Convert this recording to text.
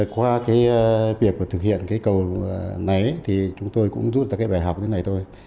qua cái việc mà thực hiện cái cầu này thì chúng tôi cũng rút ra cái bài học như thế này thôi